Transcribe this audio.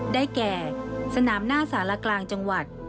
ได้แก่สนามหน้าสารกลางจังหวัด